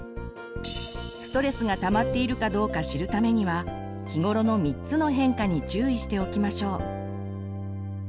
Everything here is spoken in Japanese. ストレスがたまっているかどうか知るためには日頃の３つの変化に注意しておきましょう。